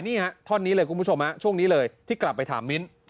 ท่อนนี้เลยคุณผู้ชมช่วงนี้เลยที่กลับไปถามมิ้น